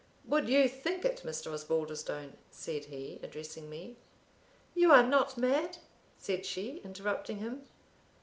Would you think it, Mr. Osbaldistone?" said he, addressing me "You are not mad?" said she, interrupting him.